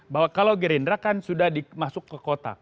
bahwa kalau gerindra kan sudah dimasuk ke kotak